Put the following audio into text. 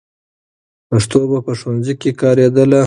پښتو به په ښوونځي کې کارېدله.